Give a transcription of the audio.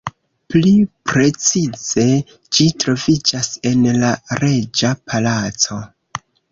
Pli precize ĝi troviĝas en la reĝa palaco.